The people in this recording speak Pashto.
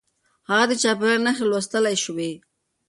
هغه د چاپېريال نښې لوستلای شوې.